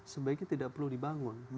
sebaiknya tidak perlu dibangun